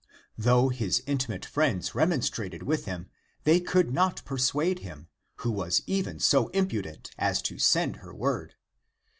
Though his intimate friends remonstrated with him, they could not persuade him, who was even so impudent as to send her word.